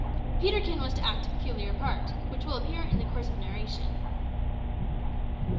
Peterkin was to act a peculiar part, which will appear in the course of narration.